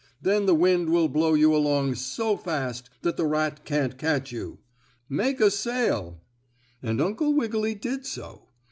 Then the wind will blow you along so fast that the rat can't catch you. Make a sail!" And Uncle Wiggily did so.